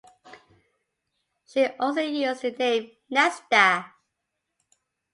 She also used the name Nesta.